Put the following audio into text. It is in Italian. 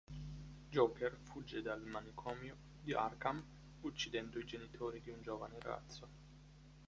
Joker fugge dal manicomio di Arkham uccidendo i genitori di un giovane ragazzo.